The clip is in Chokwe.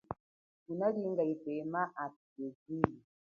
Ngunalinga yipema athu kayivile.